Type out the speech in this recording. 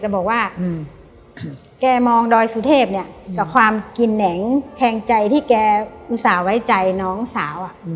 บอกว่าแกมองดอยสุเทพเนี่ยกับความกินแหนงแคงใจที่แกอุตส่าห์ไว้ใจน้องสาว